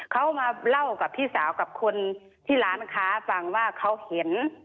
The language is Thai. เขามาเล่ากับพี่สาวกับคนที่ร้านค้าฟังว่าเขาเห็น